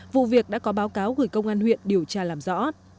vụ việc đã có báo cáo gửi công an huyện điều tra làm rõ